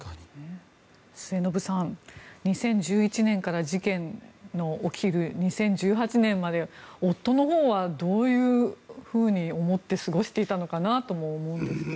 末延さん、２０１１年から事件の起きる２０１８年まで夫のほうはどういうふうに思って過ごしていたのかなと思うんですが。